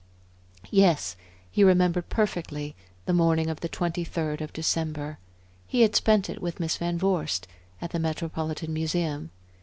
Yes, he remembered perfectly the morning of the twenty third of December. He had spent it with Miss Van Vorst at the Metropolitan Museum.